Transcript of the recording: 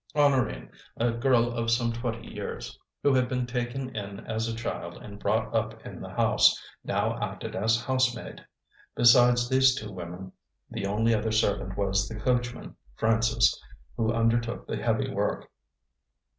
Honorine, a girl of some twenty years, who had been taken in as a child and brought up in the house, now acted as housemaid. Besides these two women, the only other servant was the coachman, Francis, who undertook the heavy work.